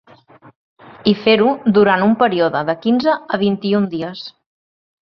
I fer-ho durant un període de quinze a vint-i-un dies.